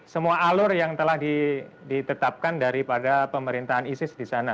semua alur yang telah ditetapkan daripada pemerintahan isis di sana